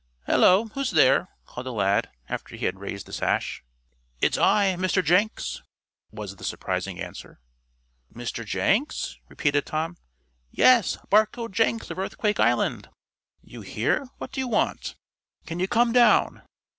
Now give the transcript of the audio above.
"Hello! Who's there?" called the lad, after he had raised the sash. "It's I Mr. Jenks," was the surprising answer. "Mr. Jenks?" repeated Tom. "Yes Barcoe Jenks, of Earthquake Island." "You here? What do you want?" "Can you come down?"